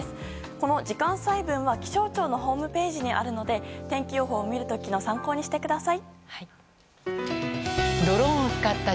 この時間細分は気象庁のホームページにあるので天気予報を見る時の参考にしてください。